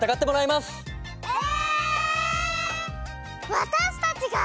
わたしたちが？